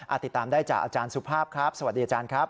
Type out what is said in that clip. ติดตามได้จากอาจารย์สุภาพครับสวัสดีอาจารย์ครับ